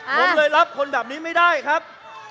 ผมเลยรับคนแบบนี้ไม่ได้ครับ